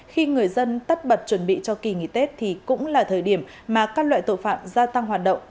khi người dân tắt bật chuẩn bị cho kỳ nghỉ tết thì cũng là thời điểm mà các loại tội phạm gia tăng hoạt động